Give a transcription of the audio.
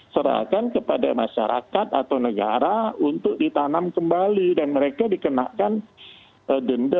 serahkan kepada masyarakat atau negara untuk ditanam kembali dan mereka dikenakan denda